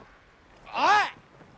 おい！